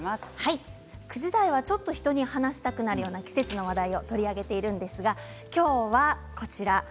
９時台はちょっと人に話したくなるような季節の話題を取り上げているんですが今日はこちらです。